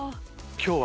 今日は。